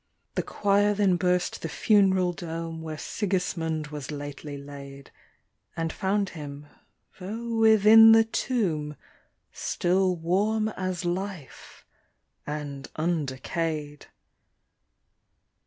The choir then burst the fun'ral dome Where Sigismund was latel) laid, And found him, tho' within the tomb, Still warm as life, and undecay'd.